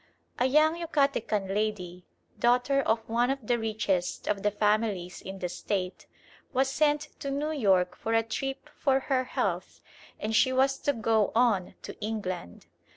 A young Yucatecan lady, daughter of one of the richest of the families in the State, was sent to New York for a trip for her health, and she was to go on to England.